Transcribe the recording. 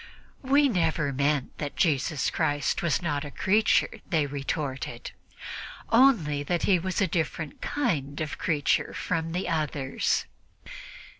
"We never meant that Jesus Christ was not a creature," they retorted, "only that he was a different kind of creature from the others!"